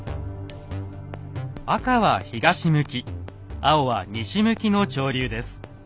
赤は東向き青は西向きの潮流です。